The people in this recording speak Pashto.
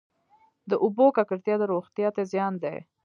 د اوبو ککړتیا روغتیا ته زیان دی.